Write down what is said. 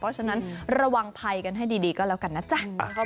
เพราะฉะนั้นระวังภัยกันให้ดีก็แล้วกันนะจ๊ะ